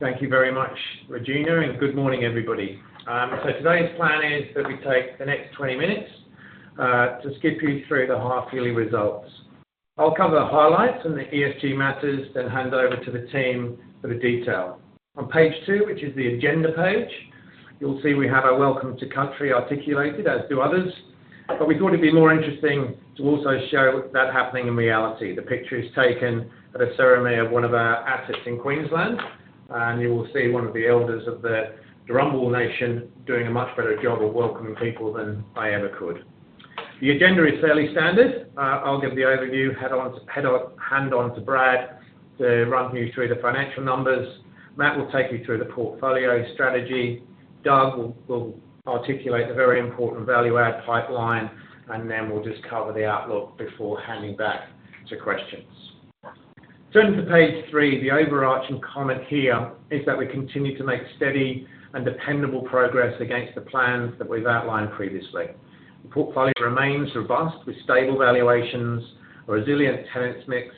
Thank you very much, Regina, and good morning, everybody. Today's plan is that we take the next 20 minutes to walk you through the half-year results. I'll cover the highlights and the ESG matters, then hand over to the team for the detail. On page two, which is the agenda page, you'll see we have a welcome to country articulated, as do others, but we thought it'd be more interesting to also show that happening in reality. The picture is taken at a ceremony of one of our assets in Queensland, and you will see one of the elders of the Darumbal Nation doing a much better job of welcoming people than I ever could. The agenda is fairly standard. I'll give the overview, hand over to Brad to run you through the financial numbers. Matt will take you through the portfolio strategy. Doug will articulate the very important value-add pipeline, and then we'll just cover the outlook before handing back to questions. Turning to page three, the overarching comment here is that we continue to make steady and dependable progress against the plans that we've outlined previously. The portfolio remains robust with stable valuations, a resilient tenants mix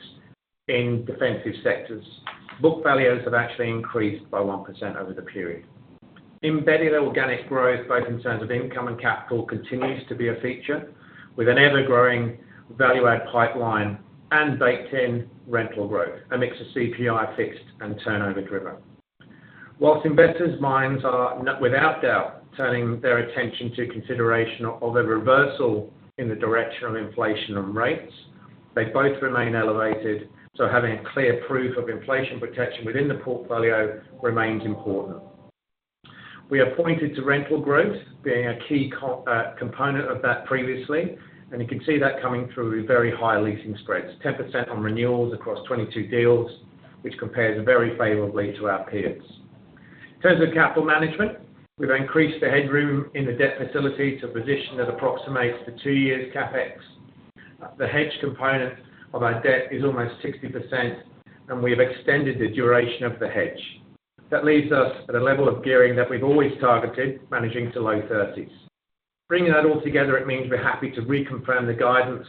in defensive sectors. Book values have actually increased by 1% over the period. Embedded organic growth, both in terms of income and capital, continues to be a feature with an ever-growing value-add pipeline and baked-in rental growth, a mix of CPI fixed and turnover driven. While investors' minds are without doubt turning their attention to consideration of a reversal in the direction of inflation and rates, they both remain elevated, so having a clear proof of inflation protection within the portfolio remains important. We are pointed to rental growth being a key component of that previously, and you can see that coming through with very high leasing spreads, 10% on renewals across 22 deals, which compares very favorably to our peers. In terms of capital management, we've increased the headroom in the debt facility to a position that approximates the two-year CapEx. The hedge component of our debt is almost 60%, and we have extended the duration of the hedge. That leaves us at a level of gearing that we've always targeted, managing to low 30s. Bringing that all together, it means we're happy to reconfirm the guidance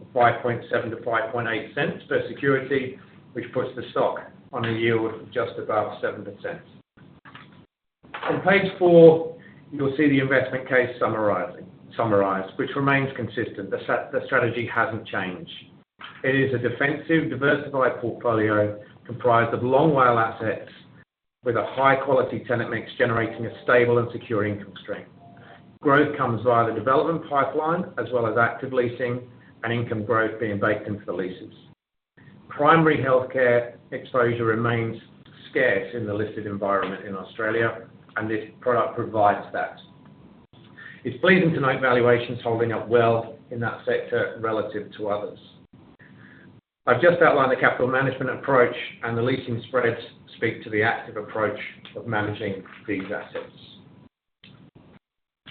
of 0.057-0.058 per security, which puts the stock on a yield just above 7%. On page four, you'll see the investment case summarized, which remains consistent. The strategy hasn't changed. It is a defensive, diversified portfolio comprised of long WALE assets with a high-quality tenant mix generating a stable and secure income stream. Growth comes via the development pipeline as well as active leasing and income growth being baked into the leases. Primary healthcare exposure remains scarce in the listed environment in Australia, and this product provides that. It's pleasing to note valuations holding up well in that sector relative to others. I've just outlined the capital management approach, and the leasing spreads speak to the active approach of managing these assets.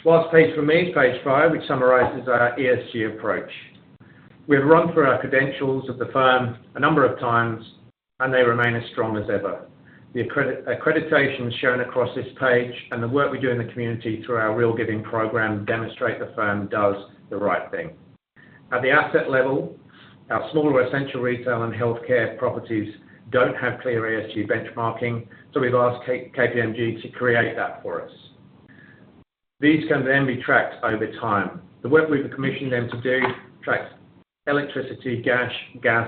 Last page for me is page five, which summarizes our ESG approach. We have run through our credentials of the firm a number of times, and they remain as strong as ever. The accreditation shown across this page and the work we do in the community through our Real Giving Program demonstrate the firm does the right thing. At the asset level, our smaller essential retail and healthcare properties don't have clear ESG benchmarking, so we've asked KPMG to create that for us. These can then be tracked over time. The work we've commissioned them to do tracks electricity, gas,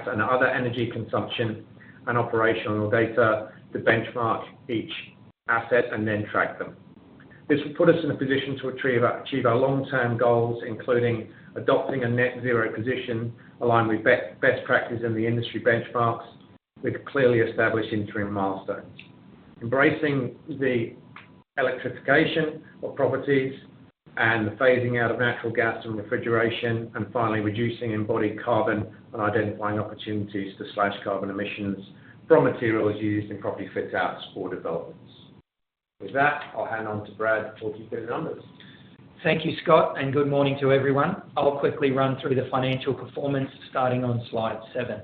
and other energy consumption and operational data to benchmark each asset and then track them. This will put us in a position to achieve our long-term goals, including adopting a net-zero position aligned with best practice in the industry benchmarks with clearly established interim milestones. Embracing the electrification of properties and the phasing out of natural gas and refrigeration, and finally reducing embodied carbon and identifying opportunities to slash carbon emissions from materials used in property fit-outs or developments. With that, I'll hand over to Brad to talk to you through the numbers. Thank you, Scott, and good morning to everyone. I'll quickly run through the financial performance starting on slide seven.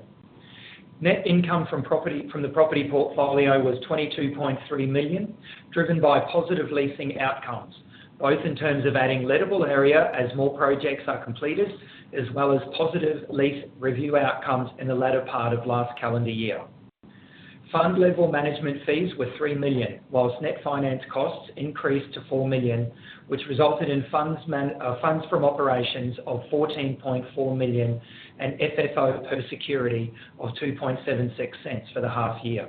Net income from the property portfolio was 22.3 million, driven by positive leasing outcomes, both in terms of adding lettable area as more projects are completed, as well as positive lease review outcomes in the latter part of last calendar year. Fund-level management fees were 3 million, while net finance costs increased to 4 million, which resulted in funds from operations of 14.4 million and FFO per security of 0.0276 for the half year.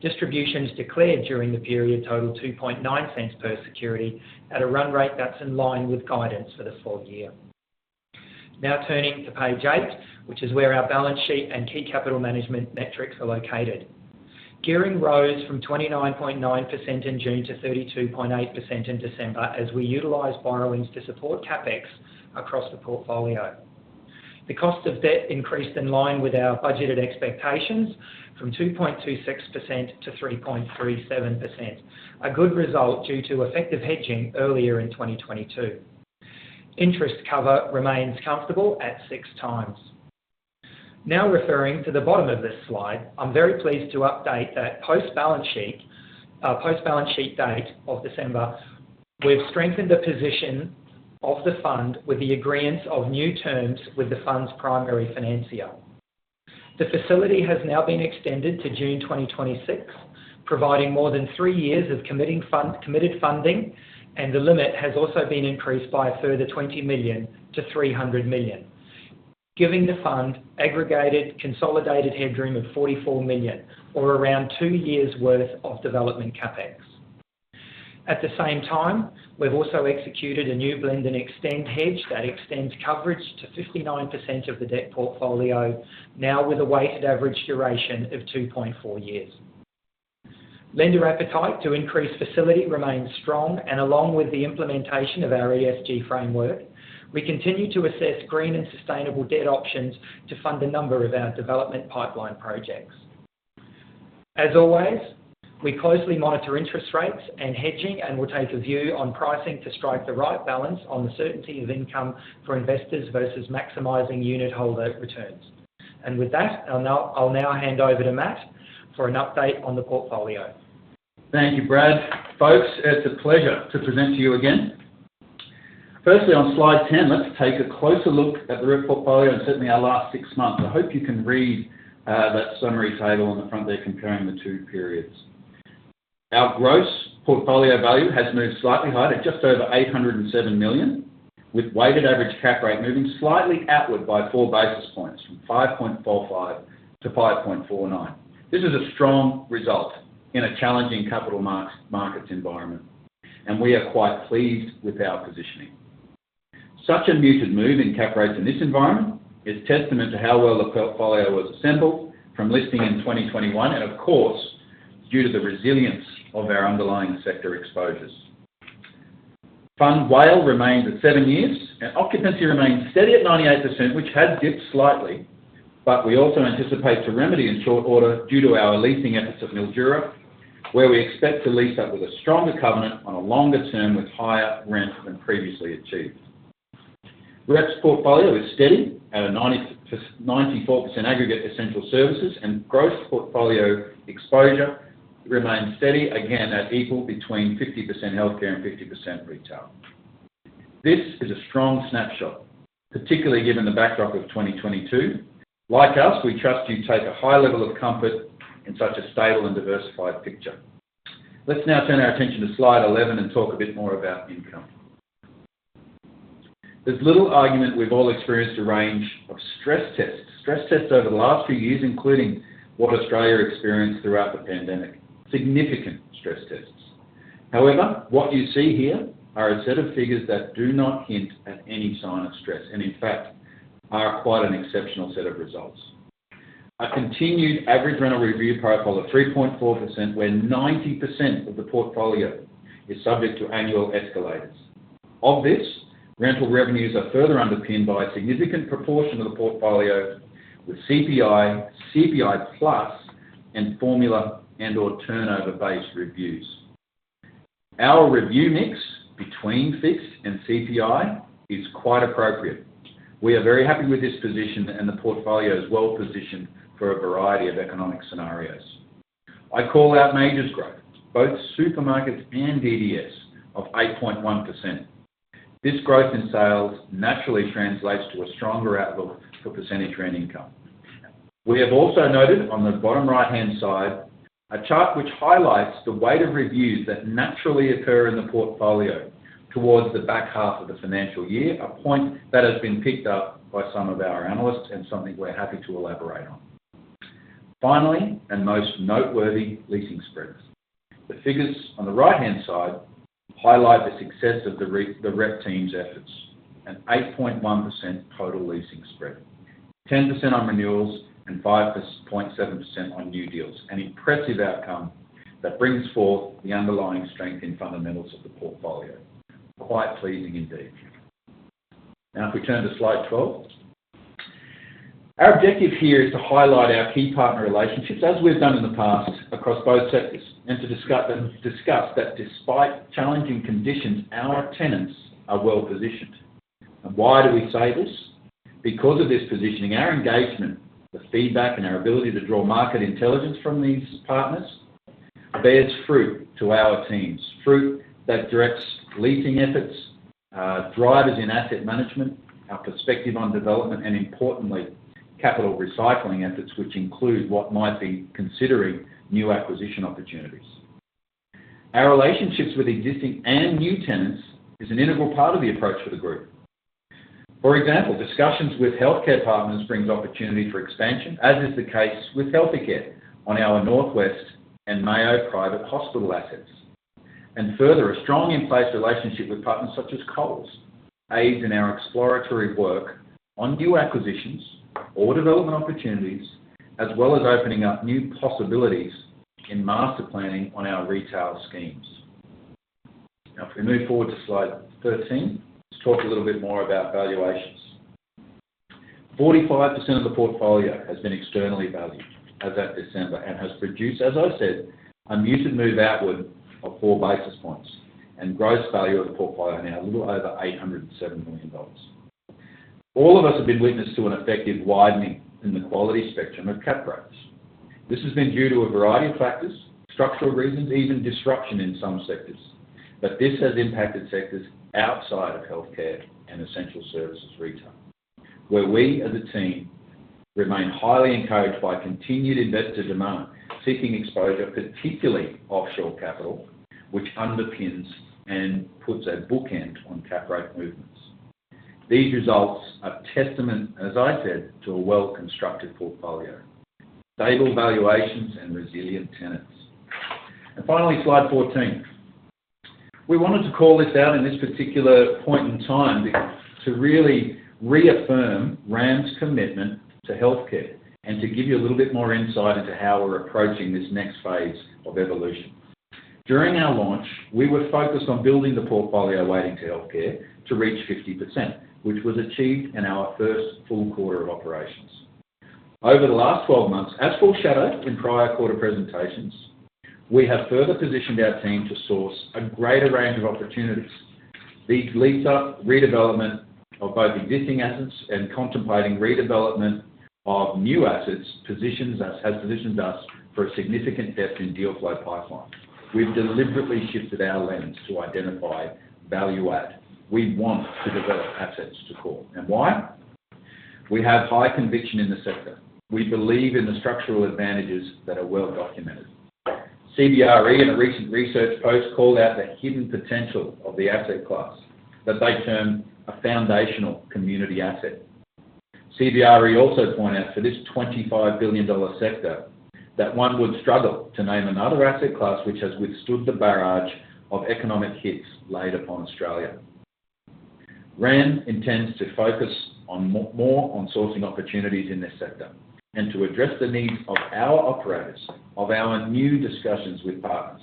Distributions declared during the period totaled 0.029 per security at a run rate that's in line with guidance for the full year. Now turning to page eight, which is where our balance sheet and key capital management metrics are located. Gearing rose from 29.9% in June to 32.8% in December as we utilized borrowings to support Capex across the portfolio. The cost of debt increased in line with our budgeted expectations from 2.26% to 3.37%, a good result due to effective hedging earlier in 2022. Interest cover remains comfortable at six times. Now referring to the bottom of this slide, I'm very pleased to update that post-balance sheet date of December, we've strengthened the position of the fund with the agreement of new terms with the fund's primary financier. The facility has now been extended to June 2026, providing more than three years of committed funding, and the limit has also been increased by a further 20 million to 300 million, giving the fund aggregated consolidated headroom of 44 million, or around two years' worth of development Capex. At the same time, we've also executed a new blend and extend hedge that extends coverage to 59% of the debt portfolio, now with a weighted average duration of 2.4 years. Lender appetite to increase facility remains strong, and along with the implementation of our ESG framework, we continue to assess green and sustainable debt options to fund a number of our development pipeline projects. As always, we closely monitor interest rates and hedging and will take a view on pricing to strike the right balance on the certainty of income for investors versus maximizing unit holder returns. And with that, I'll now hand over to Matt for an update on the portfolio. Thank you, Brad. Folks, it's a pleasure to present to you again. Firstly, on slide 10, let's take a closer look at the REP portfolio and certainly our last six months. I hope you can read that summary table on the front there comparing the two periods. Our gross portfolio value has moved slightly higher to just over 807 million, with weighted average cap rate moving slightly outward by four basis points from 5.45% to 5.49%. This is a strong result in a challenging capital markets environment, and we are quite pleased with our positioning. Such a muted move in cap rates in this environment is testament to how well the portfolio was assembled from listing in 2021, and of course, due to the resilience of our underlying sector exposures. Fund's WALE remains at seven years, and occupancy remains steady at 98%, which has dipped slightly, but we also anticipate to remedy in short order due to our leasing efforts at Mildura, where we expect to lease up with a stronger covenant on a longer term with higher rent than previously achieved. REP's portfolio is steady at a 94% aggregate essential services, and gross portfolio exposure remains steady, again at equal between 50% healthcare and 50% retail. This is a strong snapshot, particularly given the backdrop of 2022. Like us, we trust you take a high level of comfort in such a stable and diversified picture. Let's now turn our attention to slide 11 and talk a bit more about income. There's little argument we've all experienced a range of stress tests, stress tests over the last few years, including what Australia experienced throughout the pandemic, significant stress tests. However, what you see here are a set of figures that do not hint at any sign of stress and, in fact, are quite an exceptional set of results. A continued average rental review profile of 3.4%, where 90% of the portfolio is subject to annual escalators. Of this, rental revenues are further underpinned by a significant proportion of the portfolio with CPI, CPI plus, and formula and/or turnover-based reviews. Our review mix between fixed and CPI is quite appropriate. We are very happy with this position, and the portfolio is well positioned for a variety of economic scenarios. I call out majors growth, both supermarkets and DDS, of 8.1%. This growth in sales naturally translates to a stronger outlook for percentage rent income. We have also noted on the bottom right-hand side a chart which highlights the weight of reviews that naturally occur in the portfolio towards the back half of the financial year, a point that has been picked up by some of our analysts and something we're happy to elaborate on. Finally, and most noteworthy, leasing spreads. The figures on the right-hand side highlight the success of the REP team's efforts, an 8.1% total leasing spread, 10% on renewals, and 5.7% on new deals, an impressive outcome that brings forth the underlying strength in fundamentals of the portfolio. Quite pleasing indeed. Now, if we turn to slide 12, our objective here is to highlight our key partner relationships as we've done in the past across both sectors and to discuss that despite challenging conditions, our tenants are well positioned, and why do we say this? Because of this positioning, our engagement, the feedback, and our ability to draw market intelligence from these partners bears fruit to our teams, fruit that directs leasing efforts, drivers in asset management, our perspective on development, and importantly, capital recycling efforts, which includes what might be considering new acquisition opportunities. Our relationships with existing and new tenants is an integral part of the approach for the group. For example, discussions with healthcare partners bring opportunity for expansion, as is the case with Healthe Care on our Northwest and Mayo Private Hospital assets, and further, a strong in-place relationship with partners such as Coles aids in our exploratory work on new acquisitions or development opportunities, as well as opening up new possibilities in master planning on our retail schemes. Now, if we move forward to slide 13, let's talk a little bit more about valuations. 45% of the portfolio has been externally valued as of December and has produced, as I said, a muted move outward of four basis points and gross value of the portfolio now a little over 807 million dollars. All of us have been witness to an effective widening in the quality spectrum of cap rates. This has been due to a variety of factors, structural reasons, even disruption in some sectors, but this has impacted sectors outside of healthcare and essential services retail, where we as a team remain highly encouraged by continued investor demand seeking exposure, particularly offshore capital, which underpins and puts a bookend on cap rate movements. These results are testament, as I said, to a well-constructed portfolio, stable valuations, and resilient tenants. And finally, slide 14. We wanted to call this out in this particular point in time to really reaffirm RAM's commitment to healthcare and to give you a little bit more insight into how we're approaching this next phase of evolution. During our launch, we were focused on building the portfolio weighting to healthcare to reach 50%, which was achieved in our first full quarter of operations. Over the last 12 months, as foreshadowed in prior quarter presentations, we have further positioned our team to source a greater range of opportunities. This leads to redevelopment of both existing assets and contemplating redevelopment of new assets has positioned us for a significant depth in deal flow pipeline. We've deliberately shifted our lens to identify value add. We want to develop assets to core. And why? We have high conviction in the sector. We believe in the structural advantages that are well documented. CBRE, in a recent research post, called out the hidden potential of the asset class that they term a foundational community asset. CBRE also pointed out for this 25 billion dollar sector that one would struggle to name another asset class which has withstood the barrage of economic hits laid upon Australia. RAM intends to focus more on sourcing opportunities in this sector and to address the needs of our operators, of our new discussions with partners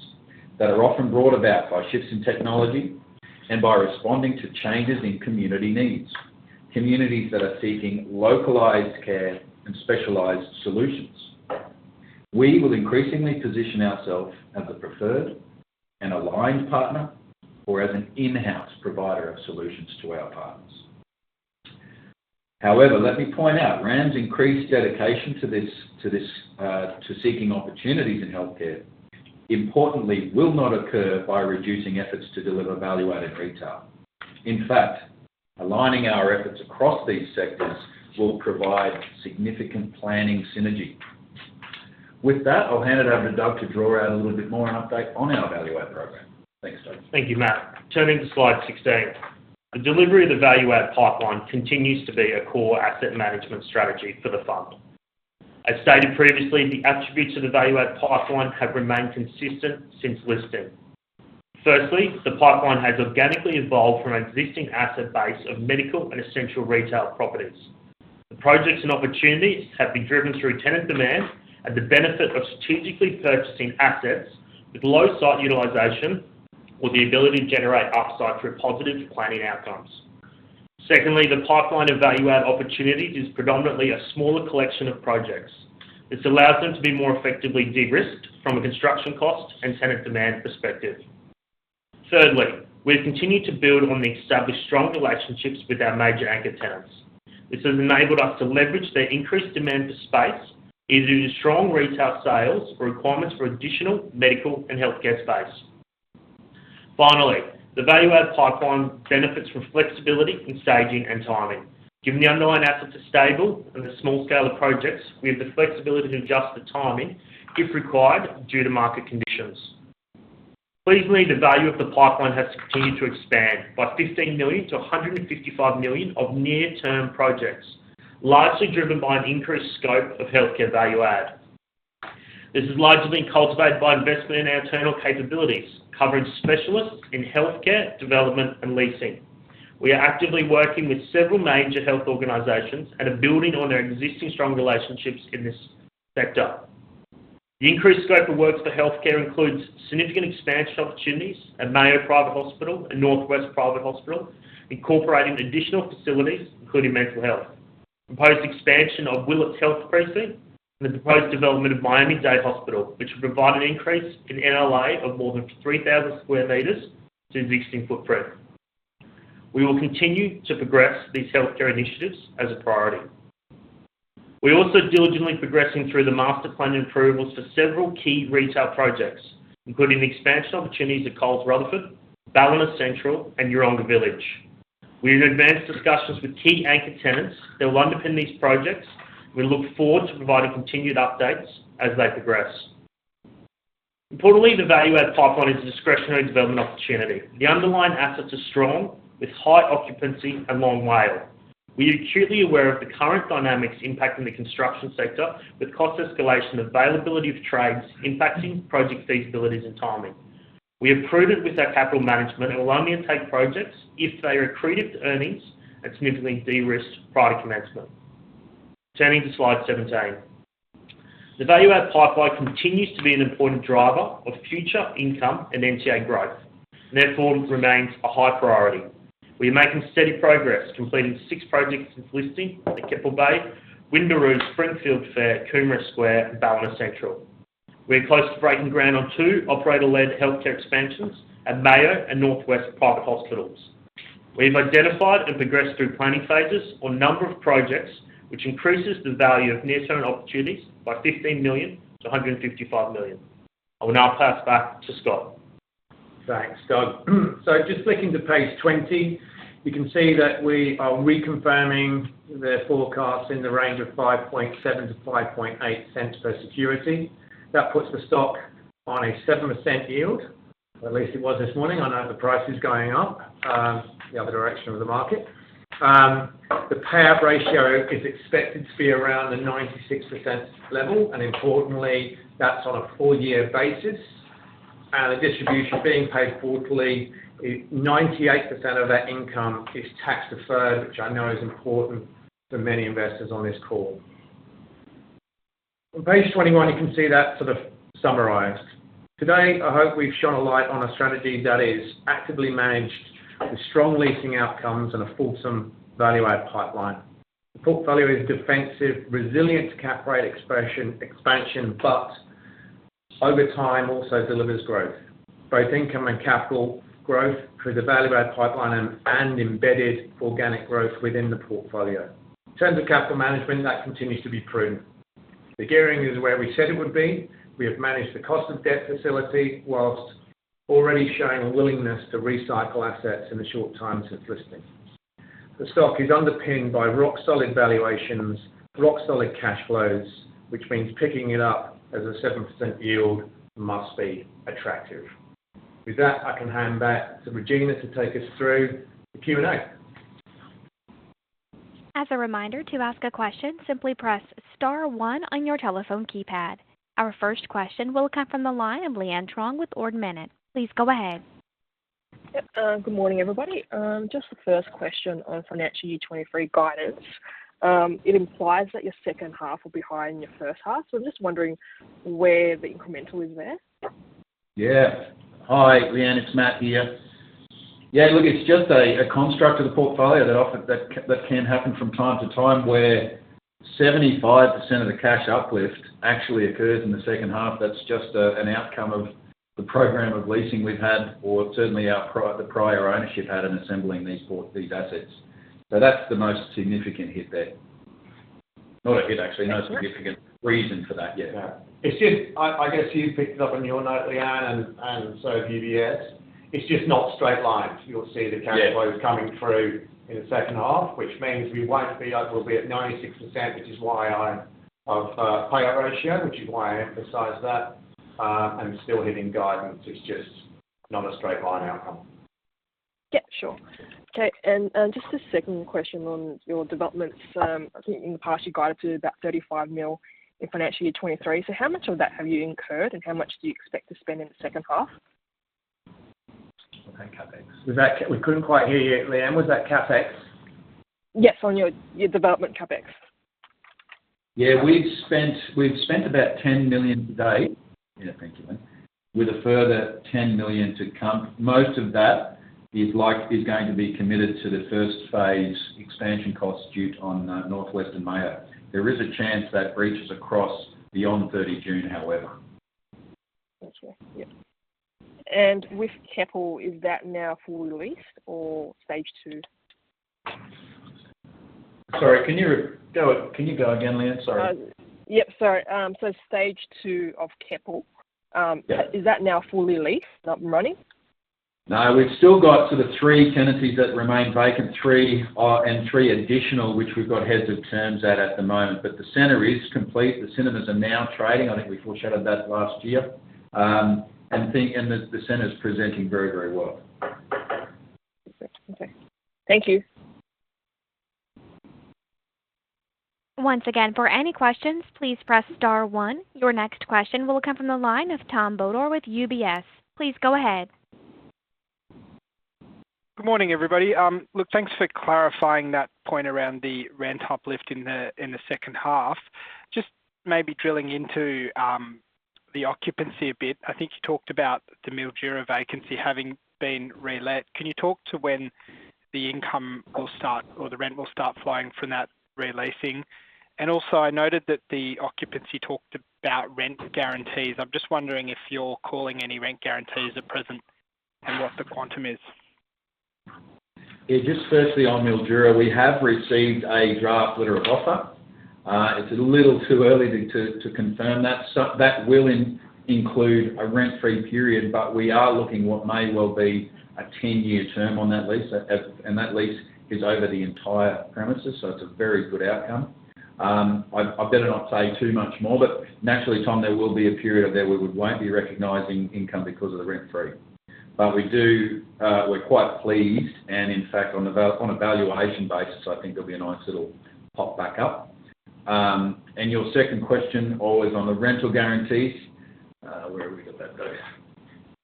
that are often brought about by shifts in technology and by responding to changes in community needs, communities that are seeking localized care and specialized solutions. We will increasingly position ourselves as a preferred and aligned partner or as an in-house provider of solutions to our partners. However, let me point out RAM's increased dedication to seeking opportunities in healthcare, importantly, will not occur by reducing efforts to deliver value-added retail. In fact, aligning our efforts across these sectors will provide significant planning synergy. With that, I'll hand it over to Doug to draw out a little bit more an update on our value-add program. Thanks, Doug. Thank you, Matt. Turning to slide 16, the delivery of the value-add pipeline continues to be a core asset management strategy for the fund. As stated previously, the attributes of the value-add pipeline have remained consistent since listing. Firstly, the pipeline has organically evolved from an existing asset base of medical and essential retail properties. The projects and opportunities have been driven through tenant demand at the benefit of strategically purchasing assets with low site utilization or the ability to generate upside through positive planning outcomes. Secondly, the pipeline of value-add opportunities is predominantly a smaller collection of projects. This allows them to be more effectively de-risked from a construction cost and tenant demand perspective. Thirdly, we have continued to build on the established strong relationships with our major anchor tenants. This has enabled us to leverage their increased demand for space, either due to strong retail sales or requirements for additional medical and healthcare space. Finally, the value-add pipeline benefits from flexibility in staging and timing. Given the underlying assets are stable and the small scale of projects, we have the flexibility to adjust the timing if required due to market conditions. Please note, the value of the pipeline has continued to expand by 15 million to 155 million of near-term projects, largely driven by an increased scope of healthcare value-add. This has largely been cultivated by investment in our internal capabilities, covering specialists in healthcare development and leasing. We are actively working with several major health organizations and are building on our existing strong relationships in this sector. The increased scope of work for healthcare includes significant expansion opportunities at Mayo Private Hospital and Northwest Private Hospital, incorporating additional facilities, including mental health, proposed expansion of Willetts Health Precinct, and the proposed development of Miami Private Hospital, which will provide an increase in NLA of more than 3,000 square meters to existing footprint. We will continue to progress these healthcare initiatives as a priority. We are also diligently progressing through the master planning approvals for several key retail projects, including expansion opportunities at Coles Rutherford, Ballina Central, and Yeronga Village. We have advanced discussions with key anchor tenants that will underpin these projects, and we look forward to providing continued updates as they progress. Importantly, the value-add pipeline is a discretionary development opportunity. The underlying assets are strong with high occupancy and long WALE. We are acutely aware of the current dynamics impacting the construction sector, with cost escalation and availability of trades impacting project feasibilities and timing. We have proven with our capital management it will only take projects if they accrete earnings and significantly de-risk prior to commencement. Turning to slide 17, the value-add pipeline continues to be an important driver of future income and NTA growth, and therefore remains a high priority. We are making steady progress, completing six projects since listing at Keppel Bay, Windaroo, Springfield Fair, Coomera Square, and Ballina Central. We are close to breaking ground on two operator-led healthcare expansions at Mayo Private Hospital and Northwest Private Hospital. We have identified and progressed through planning phases on a number of projects, which increases the value of near-term opportunities by 15 million to 155 million. I will now pass back to Scott. Thanks, Doug. So just looking to page 20, you can see that we are reconfirming the forecast in the range of 0.057-0.058 per security. That puts the stock on a 7% yield, or at least it was this morning. I know the price is going up the other direction of the market. The payout ratio is expected to be around the 96% level, and importantly, that's on a four-year basis. And the distribution being paid forwardly, 98% of that income is tax-deferred, which I know is important for many investors on this call. On page 21, you can see that sort of summarized. Today, I hope we've shone a light on a strategy that is actively managed with strong leasing outcomes and a fulsome value-add pipeline. The portfolio is defensive, resilient to cap rate expansion, but over time also delivers growth, both income and capital growth through the value-add pipeline and embedded organic growth within the portfolio. In terms of capital management, that continues to be prudent. The gearing is where we said it would be. We have managed the cost of debt facility while already showing a willingness to recycle assets in the short time since listing. The stock is underpinned by rock-solid valuations, rock-solid cash flows, which means picking it up as a 7% yield must be attractive. With that, I can hand back to Regina to take us through the Q&A. As a reminder to ask a question, simply press star one on your telephone keypad. Our first question will come from the line of Leanne Truong with Ord Minnett. Please go ahead. Good morning, everybody. Just the first question on financial year 2023 guidance. It implies that your second half will be higher than your first half, so I'm just wondering where the incremental is there. Yeah. Hi, Leanne, it's Matt here. Yeah, look, it's just a construct of the portfolio that can happen from time to time where 75% of the cash uplift actually occurs in the second half. That's just an outcome of the program of leasing we've had, or certainly the prior ownership had in assembling these assets. So that's the most significant hit there. Not a hit, actually. No significant reason for that yet. It's just, I guess you picked it up on your note, Leanne, and so have you, UBS. It's just not straight lines. You'll see the cash flows coming through in the second half, which means we won't be up. We'll be at 96%, which is why I've payout ratio, which is why I emphasize that, and still hitting guidance. It's just not a straight line outcome. Yeah, sure. Okay. And just a second question on your developments. I think in the past you guided to about 35 million in financial year 2023. So how much of that have you incurred, and how much do you expect to spend in the second half? We couldn't quite hear you, Leanne. Was that CapEx? Yes, on your development CapEx. Yeah, we've spent about 10 million today. Yeah, thank you, Leanne. With a further 10 million to come, most of that is going to be committed to the first phase expansion costs due on Northwest and Mayo. There is a chance that breaches across beyond 30 June, however. Okay. Yeah. And with Keppel, is that now fully leased or stage two? Sorry, can you go again, Leanne? Sorry. Yep, sorry. So stage two of Keppel. Is that now fully leased, not running? No, we've still got sort of three tenancies that remain vacant, three and three additional, which we've got heads of terms at the moment. But the center is complete. The cinemas are now trading. I think we foreshadowed that last year. And the center is presenting very, very well. Okay. Thank you. Once again, for any questions, please press star one. Your next question will come from the line of Tom Bodor with UBS. Please go ahead. Good morning, everybody. Look, thanks for clarifying that point around the rent uplift in the second half. Just maybe drilling into the occupancy a bit. I think you talked about the Mildura vacancy having been relet. Can you talk to when the income will start or the rent will start flowing from that releasing? And also, I noted that you talked about rent guarantees. I'm just wondering if you're calling any rent guarantees at present and what the quantum is. Yeah, just firstly on Mildura, we have received a draft letter of offer. It's a little too early to confirm that. That will include a rent-free period, but we are looking at what may well be a 10-year term on that lease. That lease is over the entire premises, so it's a very good outcome. I better not say too much more, but naturally, Tom, there will be a period up there where we won't be recognizing income because of the rent-free. We're quite pleased, and in fact, on a valuation basis, I think there'll be a nice little pop back up. Your second question, always on the rental guarantees. Where have we got that,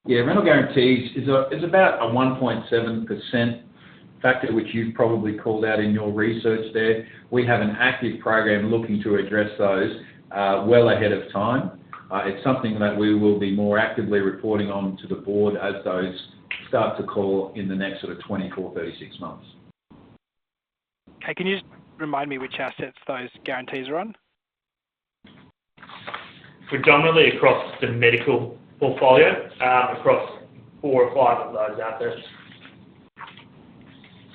Yeah, rental guarantees is about a 1.7% factor, which you've probably called out in your research there. We have an active program looking to address those well ahead of time. It's something that we will be more actively reporting on to the board as those start to call in the next sort of 24-36 months. Okay. Can you just remind me which assets those guarantees are on? Predominantly across the medical portfolio, across four or five of those out there.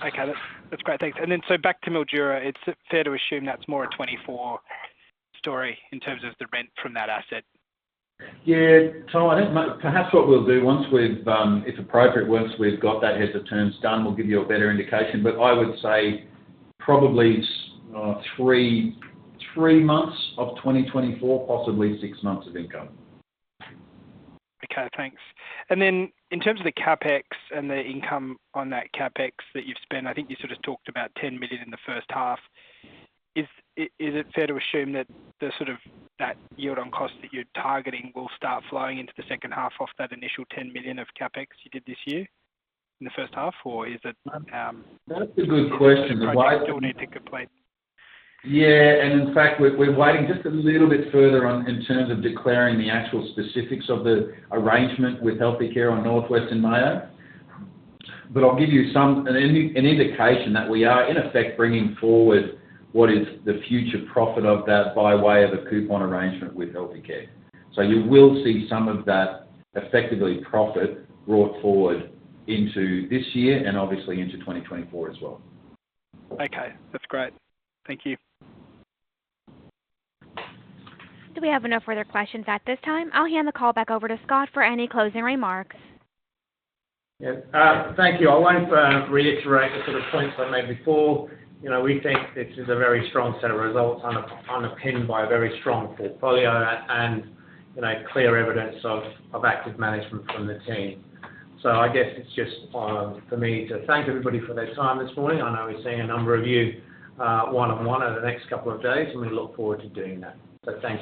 Okay. That's great. Thanks. And then so back to Mildura, it's fair to assume that's more a 2024 story in terms of the rent from that asset? Yeah, Tom, I think perhaps what we'll do once we've, if appropriate, once we've got that heads of terms done, we'll give you a better indication. But I would say probably three months of 2024, possibly six months of income. Okay. Thanks. And then in terms of the CapEx and the income on that CapEx that you've spent, I think you sort of talked about 10 million in the first half. Is it fair to assume that sort of that yield on cost that you're targeting will start flowing into the second half off that initial 10 million of CapEx you did this year in the first half, or is it? That's a good question. Or do you still need to complete? Yeah. And in fact, we're waiting just a little bit further on in terms of declaring the actual specifics of the arrangement with Healthe Care on Northwest and Mayo. But I'll give you an indication that we are in effect bringing forward what is the future profit of that by way of a coupon arrangement with Healthe Care. So you will see some of that effectively profit brought forward into this year and obviously into 2024 as well. Okay. That's great. Thank you. Do we have no further questions at this time? I'll hand the call back over to Scott for any closing remarks. Yeah. Thank you. I'll only reiterate the sort of points I made before. We think this is a very strong set of results underpinned by a very strong portfolio and clear evidence of active management from the team. So I guess it's just for me to thank everybody for their time this morning. I know we're seeing a number of you one-on-one over the next couple of days, and we look forward to doing that. So thanks.